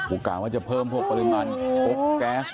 โอกาสว่าจะเพิ่มรายการยาน